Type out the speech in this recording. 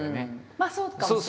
まあそうかもしれない。